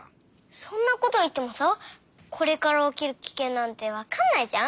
そんなこといってもさこれからおきるキケンなんてわかんないじゃん？